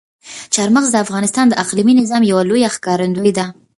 چار مغز د افغانستان د اقلیمي نظام یوه لویه ښکارندوی ده.